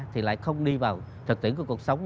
thì lại không đi vào thực tiễn của cuộc sống